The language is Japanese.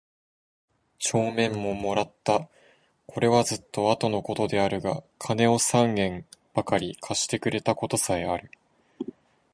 帳面も貰つた。是はずつと後の事であるが金を三円許り借してくれた事さへある。